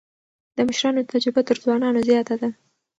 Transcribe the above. د مشرانو تجربه تر ځوانانو زياته ده.